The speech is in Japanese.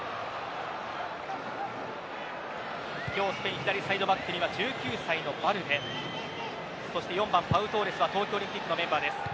今日、スペイン左サイドバックには１９歳のバルデそして４番、パウ・トーレスは東京オリンピックのメンバーです。